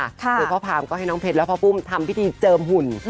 คือพ่อพามก็ให้น้องเพชรและพ่อปุ้มทำพิธีเจิมหุ่น